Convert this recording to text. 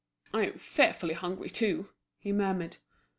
"And I'm fearfully hungry, too!" he murmured.